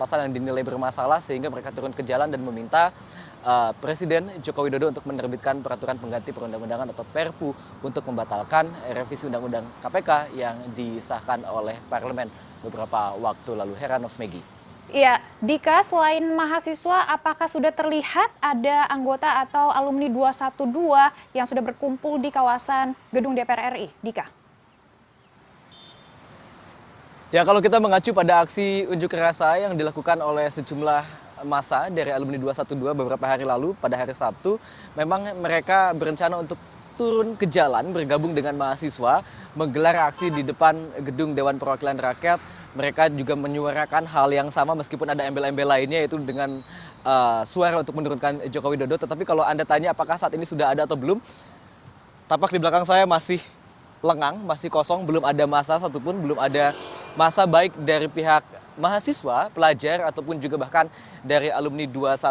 ada masa satupun belum ada masa baik dari pihak mahasiswa pelajar ataupun juga bahkan dari alumni dua ratus dua belas